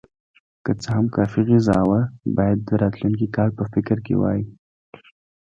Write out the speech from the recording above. که څه هم کافي غذا وه، باید د راتلونکي کال په فکر کې وای.